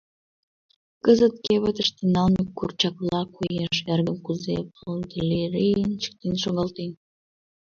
Кызыт кевытыште налме курчакла коеш: эргым кузе пыльдырийын чиктен шогалтен.